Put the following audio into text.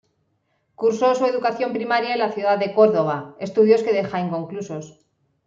Cursó su educación primaria en la ciudad de Córdoba, estudios que deja inconclusos.